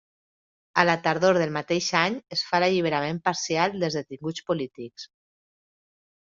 A la tardor del mateix any es fa l'alliberament parcial dels detinguts polítics.